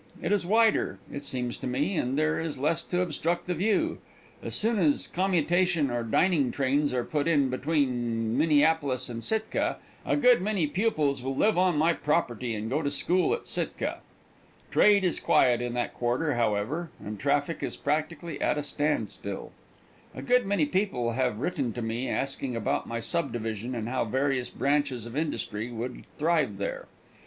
It is wider, it seems to me, and there is less to obstruct the view. As soon as commutation or dining trains are put on between Minneapolis and Sitka, a good many pupils will live on my property and go to school at Sitka. Trade is quiet in that quarter at present, however, and traffic is practically at a standstill. A good many people have written to me asking about my subdivision and how various branches of industry would thrive there.